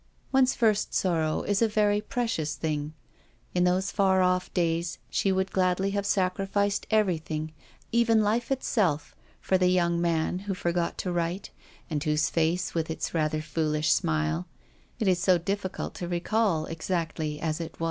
One's first sorrow is a very precious thing. In those far off days, she would gladly have sacrificed everything — even life itself — for the young man who forgot to write, and whose face, with its rather foolish smile, it is so difficult to recall exactly as it was.